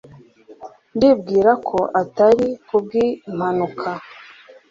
ndibwira ko atari ku bw'impanuka